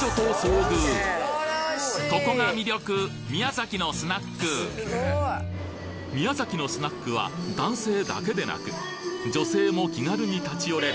なんとスナックで宮崎のスナックは男性だけでなく女性も気軽に立ち寄れる